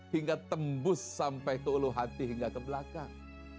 hingga tembus sampai ke ulu hati hingga ke belakang